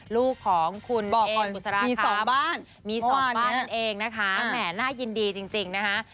ลูกของคุณเองบอกก่อนมีสองบ้านมีสองบ้านเองนะคะแหมน่ายินดีจริงจริงนะคะ